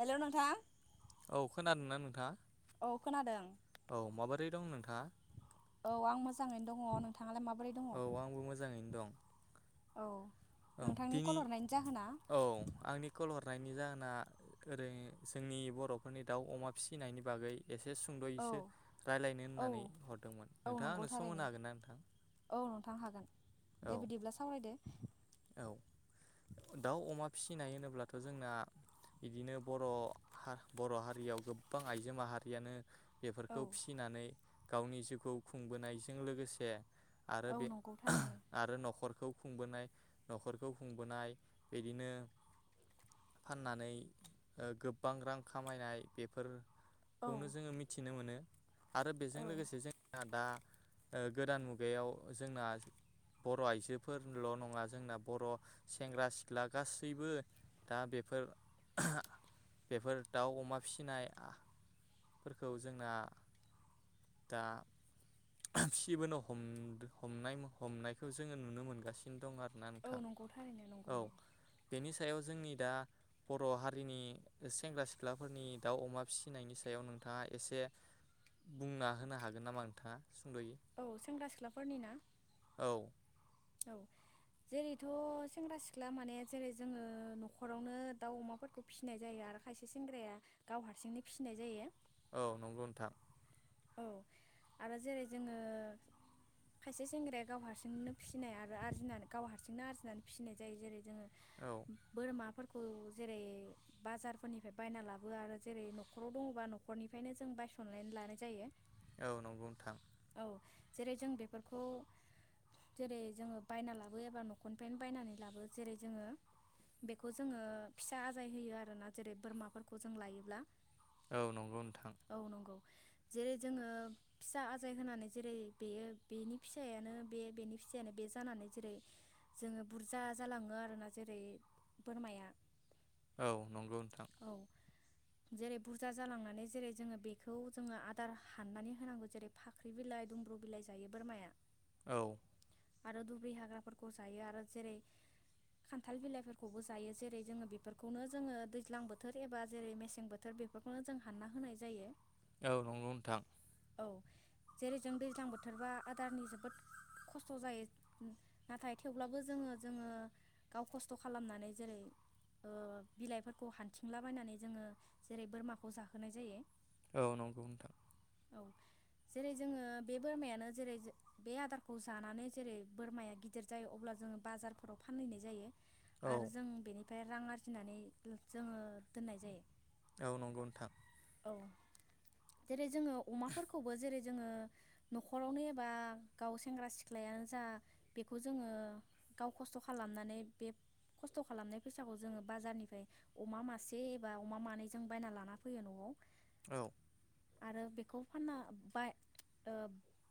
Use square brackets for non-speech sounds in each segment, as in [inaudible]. Hello नोंथां औ खोनादोंना नोंथाङा औ खोनादों औ माबोरै दं नोंथाङा औ आं मोजाङैनो दङ नोंथां औ आंबो मोजाङैनो दं औ औ नोंथांनि कल दिनै हरनायनि जाहोना औ आंनि कल हरनाय हरनायनि जाहोना ओरै जोंनि बर'फोरनि दाउ अमा फिसिनायनि बागै एसे औ सुंद'यैसो रायलाययनो होननानै औ हरदोंमोन औ नोंथाङा नंगौ आंनो सम होनो थारैनो हागोन ना नोंथां औ नोंथां हागोन दे औ बिदिब्ला सावरायदो औ दाउ अमा फिसिनाय होनोब्लाथ' जोंना बिदिनो बर' बर' हारियाव गोबां आइजो माहारियानो औ बेफोरखौ फिसिनानै गावनि जिउखौ खुंबोनायजों लोगोसे आरो औ बे नंगौ थारैनो आरो न'खरखौ खुंबोनाय न'खरखौ खुंबोनाय बिदिनो फाननानै ओ गोबां रां खामायनाय बेफोर औ खौनो जोङो मिथिनो मोनो आरो बेजों औ लोगोसे जोंना दा ओ गोदान मुगायाव जोंना बर' आइजोफोरल' नङा जोंना बर' सेंग्रा सिख्ला गासैबो दा बेफोर बेफोर दाउ अमा फिसिनाय आ फोरखौ जोंना दा सिबोनो हम हनाय हमनायखौ जोङो नुनो मोनगासिनो दं आरो औ नोंथां नंगौ थारैनो नंगौ औ नंगौ बेनि सायाव जोंनि दा बर' हारिनि सेंग्रा सिख्लाफोरनि दाउ अमा फिसिनायनि सायाव नोंथाङा एसे बुंना होनो हागोन नामा नोंथाङा सुंद'यै औ सेंग्रा सिख्लाफोरनि ना औ औ जेरैथ' सेंग्रा सिख्ला माने जेरै जोङो न'खरावनो दाउ अमाफोरखौ फिसिनाय जायो आरो खायसे सेंग्राया गाव हारसिंनो फिसिनाय जायो औ नंगौ नंथां औ आरो जेरै जोङो खायसे सेंग्राया गाव हारसिंनो फिसिनाय आरो आरजिनानै गाव हारसिंनो आरजिनानै फिसिनाय जायो जेरै जो औ बोरमा फो खौ जेरै बाजारफोरनिफ्राय बायना लाबो आरो जेरै न'खराव दङबा न'खरनिफ्रायनो जों बायसननानै लानो जायो औ नंगौ नोंथां औ जेरै जों बेफोरखौ जेरै जोङो बायना लाबो एबा न'खरनिफ्रायनो बायनानै लाबो जेरै जोङो बेखौ जोङो फिसा आजाय होयो आरोना जेरै बोरमाफोरखौ जों लायोब्ला औ नंगौ नोंथां औ नंगौ जेरै जोङो फिसा आजाय होनानै जेरै बेयो बेनि फिसायानो बे बेनि फिसायानो बे जानानै जेरै जोङो बुरजा जालाङो आरोना जेरै बोरमाया औ नंगौ नोंथां औ जेरै बुरजा जालांनानै जेरै जोङो बेखौ जोङो आदार हाननानै होनांगौ जेरै फाख्रि बिलाइ दुंब्रु बिलाइ जायो बोरमाया औ आरो दुब्रि हाग्राफोरखौ जायो आरो जेरै खान्थाल बिलाइफोरखौबो जायो जेरै जोङो बेफोरखौनो जोङो दैज्लां बोथोर एबा जेरै मेसें बोथोर बेफोरखौनो जों हानना होनाय जायो औ नंगौ नोंथां औ जेरै जों दैज्लां बोथोरबा आदारनि जोबोद खस्थ' जायो नाथाय थेवब्लाबो जोङो जोङो गाव खस्थ' खालामनानै जेरै ओ बिलाइफोरखौ हान्थिंलाबायनानै जोङो जेरै बोरमाखौ जाहोनाय जायो औ नंगौ नोंथां औ जेरै जोङो बे बोरमायानो जेरै बे आदारखौ जानानै जेरै बोरमाया गिदिर जायो अब्ला जोङो बाजारफोराव फानहैनाय जायो औ आरो जों बेनि ओमफ्राय रां आरजिनानै जोङो दोननाय जायो औ नंगौ नोंथां औ जेरै जोङो अमाफोरखौबो जेरै जोङो न'खरावनो एबा गाव सेंग्रा सिख्लायानो जा बेखौ जोङो गाव खस्थ' खालामनानै बे खस्थ' खालामनाय फैसाखौ जोङो बाजारनिफ्राय अमा मासे एबा अमा मानै जों बायना लाना फैयो न'आव औ आरो बेखौ फानना ब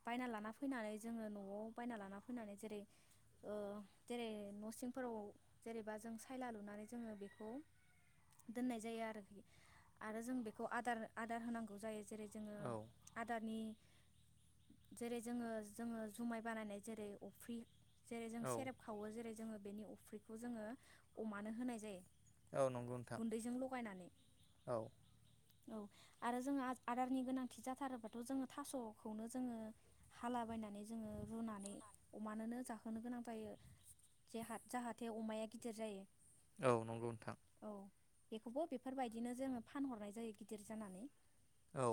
बायना लाना फैनानै जोङो न'आव बायना लाना फैनानै जेरै ओ जेरै न' सिंफोराव जेनेबा जों सायला लुनानै जोङो बेखौ दोननाय जायो आरोखि आरो जों बेखौ आदार आदार होनांगौ जायो जेरै जोङो औ आदारनि जेरै जोङो जोङो जुमाय बानायनाय जेरै अफ्रि जेरै जों औ सेरेब खावो जेरै जोङो बेनि अफ्रिखौ जोङो अमानो होनाय जायो औ नंगौ नोंथां गुन्दैजों लगायनानै औ औ आरो जोङो आदारनि गोनांथि जाथारोबाथ' जोङो थास'खौनो जोङो हालाबायनानै जोङो रुनानै अमानोनो जाहोनो गोनां जायो जे जाहाथे अमाया गिदिर जायो औ नंगौ नोंथां औ बेखौबो बेफोरबायदिनो जोङो फानहरनाय जायो गिदिर जानानै औ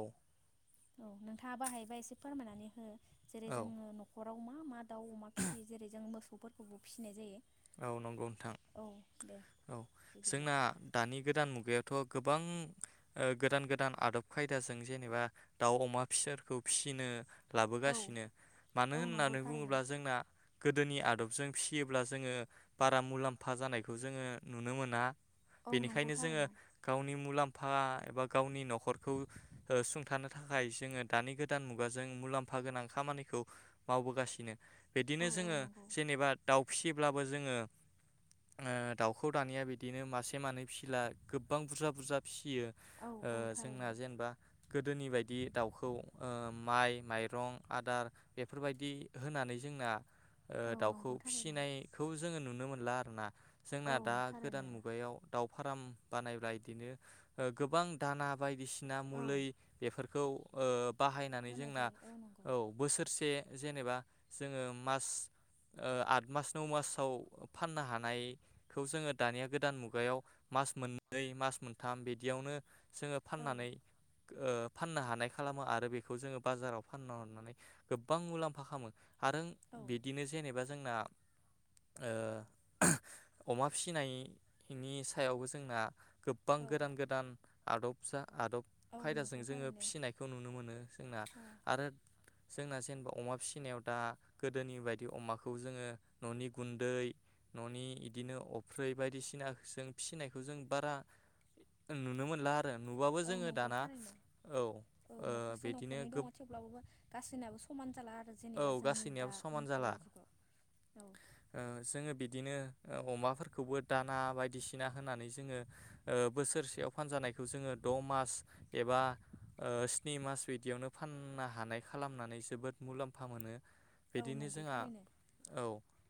औ नोंथाङाबो हायोबा एसे फोरमायनानै हो जेरै औ जोङो न'खर नखराव मा मा दाउ अमा फिसियो जेरै जोंङो मोसौफोरखौबो फिसिनाय जायो औ नंगौ नोंथां औ दे औ बिदिब्ला जोंना दानि गोदान मुगायाव थ' गोबां ओ गोदान गोदान आदब खायदाजों जेनेबा दाउ अमा फिसोरखौ फिसिनो औ लाबोगासिनो मानो औ नंगौ होननानै थारैनो बुङोब्ला जोंना गोदोनि आदबजों फिसियोब्ला जोङो बारा मुलाम्फा जानायखौ जोङो नुनो मोना औ नंगौ बेनिखायनो जोङो थारैनो गावनि मुलाम्फा फा एबा गावनि न'खरखौ ओ सुंथानो थाखाय जोङो दानि गोदान मुगाजों मुलाम्फा गोनां खामानिखौ मावबोगासिनो औ बिदिनो औ जोङो नंगौ जेनेबा दाउ फिसिब्ला बो जोङो ओ दाउखौ दानिया बिदिनो मासे मानै फिसिला गोबां बुरजा बुरजा फि फियो औ ओ औ जोंना थारैनो जेनेबा गोदोनि बायदि दाउखौ ओ माइ माइरं आदार बेफोरबायदि होनानै जोंना ओ औ दाउखौ नंगौ थारैनो फिसिनाय जोङो नुनो मोनला आरो ना जोंना औ दा गोदान थारैनो मुगायाव दाउ फार्म बानायब्ला बिदिनो गोबां दाना बायदि सिना औ मुलि बेफोर खौ ओ बाहायनानै होनाय जोंना जायो नंगौ औ बोसोरसे जेनेबा जोङो मास ओ आठ मास नौ मासाव फाननो हानायखौ जोङो दानिया गोदान मुगायाव मास मोननै मास मोनथाम बिदियावनो जोङो औ फाननानै ओ फाननो हानाय खालामो आरो बेखौ जोङो बाजाराव फाननो होननानै गोबां मुलाम्फा खालामो आरो औ बिदिनो जेनेबा जोंना ओ अमा फिसिनायनि सायावबो जोंना गोबबां औ गोदान गोदान आदब फिसा आदब औ खायदाजों नंगौ जोङो थारैनो फिसिनायखौ नुनो मोनो जोंना औ आरो जोंना जेनेबा अमा फिसिनायाव दा गोदोनि बायदि अमाखौ जोङो न'नि गुन्दै न'नि इदिनो अफ्रि बायदिसिना जों फिसिनायखौ जों बारा नुनो मोनला आरो नुबाबो औ जोङो नंगौ दाना थारैनो औ औ ओ न'खरसे बिदिनो न'खरनै गोब दङ थेवब्लाबो गासैनबो समान जाला आरो औ जेनेबा जोंनि दा गासैनियाबो समान औ जाला जुगाव औ ओ जोङो बिदिनो अमाफोरखौबो दाना बायदिसिना होनानै जोङो ओ बोसोरसेयाव फानजानायखौ जोङो द' मास एबा ओ स्नि ओ मास बिदियावनो फाननो हानाय खालामनानै जोबोद मुलाम फा मोनो औ बिदिनो नंगौ जोंहा थारैनो औ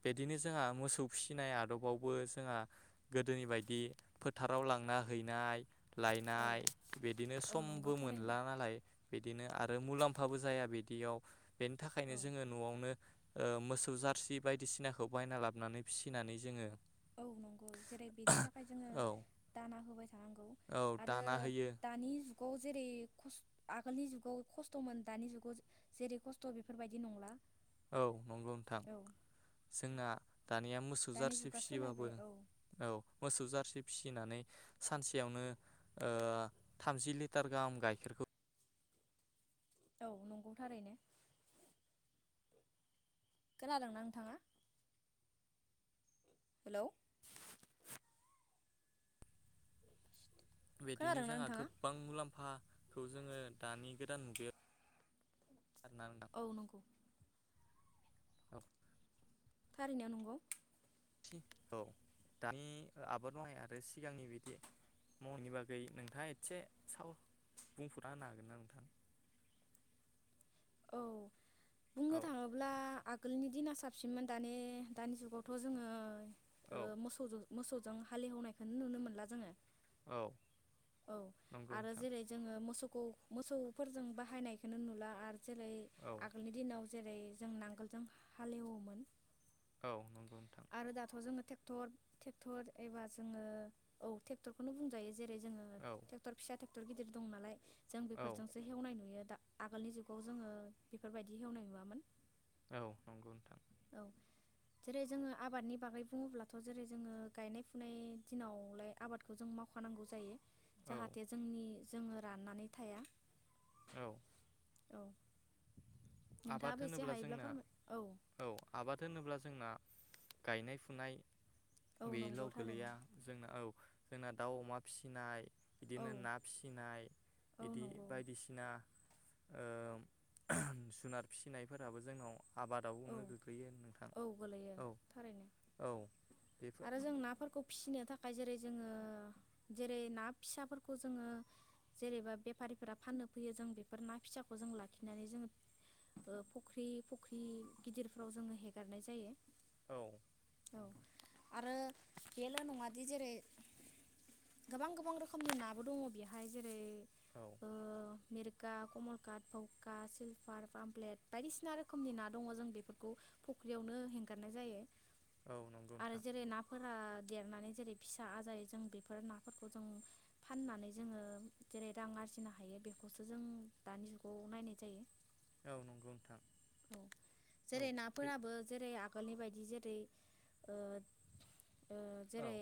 बिदिनो जोंहा मोसौ फिसिनाय आदबावबो जोंहा गोदोनि बायदि फोथाराव लांना हैनाय औ लायनाय बिदिनो औ नंगौ समबो थारैनो मोनला नालाय बिदिनो आरो मुलाम्फाबो जाया बिदियाव बेनि थाखायनो औ जोङो न'आवनो ओ मोसौ जारसि बायदिसिनाखौ बायना लाबोनानै फिसिनानै जोङो औ नंगौ जेरै बेनि थाखाय जोङो औ दाना होबाय थानांगौ औ आरो दाना होयो दानि जुग जुगाव जेरै खस आगोलनि जुगाव खस्थ'मोन दानि जुगाव जेरै खस्थ' बेफोरबायदि नंला औ नंगौ नोंथां औ जोंना दानिया मोसौ दानि जारसे जुगा फिसियोबाबो सोलायबाय औ मोसौ जारसि फिसिनानै सानसेयावनो ओ थामजि लिटार गाहाम गाइखेरखौ औ नंगौ थारैनो खोनादोंना नोंथाङा हेलौ बिदिनो खोनादोंना जोंहा नोंथाङा? गोबां मुलाम्फा खौ जोङो दानि गोदान मुगायाव आरोना औ नंगौ औ फारिनायाव नंगौ औ दानि आबाद मावनाय आरो सिगांनि बिदि मावनि बागै नोंथाङा एसे साव बुंफुना होनो हागोन ना नोंथां औ बुंनो औ थाङोब्ला आगोलनि दिना साबसिनमोन दानि दानि जुगावथ' जोङो ओ औ मोसौ जो मोसौजों हालेवनायखौ नुनो मोनला जोङो औ औ नंगौ आरो नोंथां जेरै जोङो मोसौ ज मोसौफोरजों बाहायनायखौ नुला आरो जेरै औ आगोलनि दिनाव जेरै जों नांगोलजों हालेवोमोन औ नंगौ नोंथां आरो दाथ' जोङो थेक्टर थेक्टर एबा जोङो औ थेक्टरखौनो बुंजायो जेरै ओ औ थेक्टर फिसा गिदिर दं नालाय जों औ बेफोरजोंसो हेवनाय नुयो दा आगोलनि जुगाव जोङो बेफोरबायदि हेवनाय नुवामोन औ नंगौ नोंथां औ जेरै जोङो आबादनि बागै बुङोब्लाथ' जेरै जोङो गायनाय फुनाय दिनावलाय आबादखौ जों मावखानांगौ जायो औ जाहाथे जोंनि जोङो राननानै थाया औ औ आबाद नोंथाङाबो एसे होनोब्ला हायोब्ला जोंना फोरमाय औ आबाद होनोब्ला जोंना गायनाय फुनाय औ बेल' नंगौ थारैनो गोलैया जोंना औ जोंना दाउ अमा फिसिनाय औ बिदिनो ना फिसिनाय औ इदि नंगौ बायदिसिना ओ जुनार फिसिनायफोराबो जोंनाव औ आबादावनो गोग्लैयो नोंथां औ गोलैयो औ थारैनो औ बेफोर य जेरै जोङो जेरै ना फिसाफोरखौ जोङो जेनेबा बेफारिफोरा फाननो फैयो जों बेफोर ना फिसाखौ जों लाखिनानै जोङो ओ फुख्रि फुख्रि गिदिरफ्राव जोङो हेगारनाय जायो औ औ आरो बेल' नङादि जेरै गोबां गोबां रोखोमनि नाबो दङ बेहाय जेरै औ आ म [unintelligible] फा कमलकाट भावखा सिलभार पामप्लेट बायदिसिना रोखोमनि ना दङ जों बेफोरखौ फुख्रियावनो हेंगारनाय जायो औ नंगौ आरो नोंथां जेरै नाफोरा देरनानै जेरै फिसा आजायो जों बेफोर नाफोरखौ जों फाननानै जोङो जेरै रां आरजिनो हायो बेखौसो जों दानि जुगाव नायनाय जायो औ नंगौ नोंथां औ औ जेरै बे नाफोराबो जेरै आगोलनि बायदि जेरै दिओ ओ औ जेरै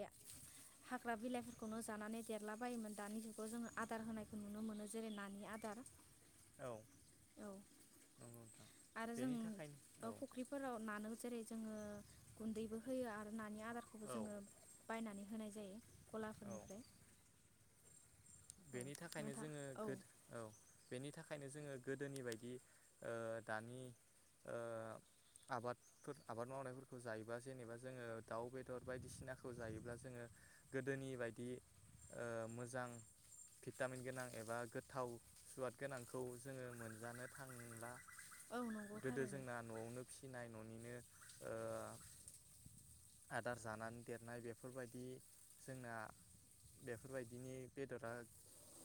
हाग्रा बिलाइफोरखौनो जानानै देरला बायोमोन दानि जुगाव जोङो आदार होनायखौ नुनो मोनो जेरै नानि आदार औ औ नंगौ नोंथां आरो बेनि जों थाखायनो फुख्रिफोराव नानो हो [unintelligible] जोङो गुन्दैबो होयो आरो नानि आदारखौबो औ जोङो बायनानै होनाय जायो औ औ गलाफोरनिफ्राय औ बेनि थाखायनो नोंथां जोङो औ गोद औ बेनि थाखाय बेनि थाखायनो जोङो गोदोनि बायदि दानि आबादफोर आबाद मावनायफोरखौ जायोबा जेनेबा जोङो दाउ बेदर बायदिसिनाखौ जायोब्ला जोङो गोदोनि बायदि मोजां भिटामिन गोनां एबा गोथाव सुवाद गोनांखौ जोङो मोनजानो थांला औ नंगौ गोदो थारैनो जोंना न'आवनो फिसिनाय न'निनो आदार जानानै देरनाय बेफोरबायदि जोंना बेफोरबायदिनि बेदरा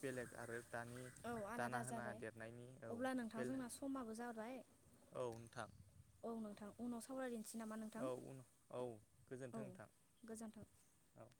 बेलेग आरो दानि औ दाना आलादा होना जाबाय देरनायनि औ अब्ला नोंथांजोंना बेलेग समाबो जाबाय औ नोंथां औ नोंथां उनाव सावरायदिनि औ उन औ औ गोजोन्थों नोंथां गोजोन्थों औ